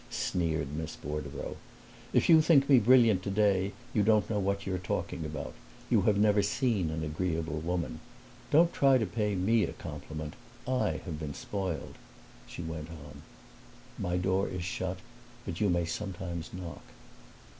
sneered Miss Bordereau. "If you think me brilliant today you don't know what you are talking about; you have never seen an agreeable woman. Don't try to pay me a compliment; I have been spoiled," she went on. "My door is shut, but you may sometimes knock."